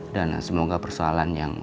dan semoga persoalan yang